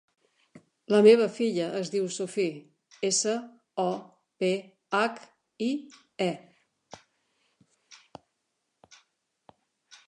La meva filla es diu Sophie: essa, o, pe, hac, i, e.